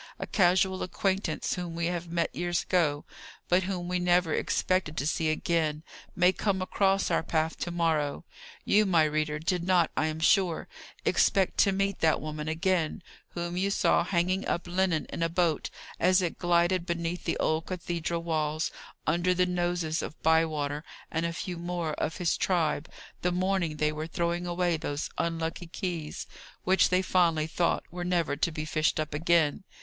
A casual acquaintance whom we have met years ago, but whom we never expected to see again, may come across our path to morrow. You, my reader, did not, I am sure, expect to meet that woman again, whom you saw hanging up linen in a boat, as it glided beneath the old cathedral walls, under the noses of Bywater and a few more of his tribe, the morning they were throwing away those unlucky keys, which they fondly thought were never to be fished up again.